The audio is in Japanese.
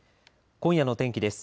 今夜の天気です。